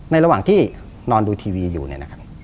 ระหว่างที่นอนดูทีวีอยู่เนี่ยนะครับ